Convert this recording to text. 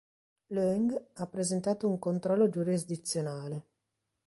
Leung ha presentato un controllo giurisdizionale.